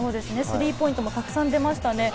スリーポイントもたくさん出ましたね。